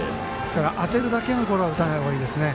当てるだけのゴロは打たないほうがいいですね。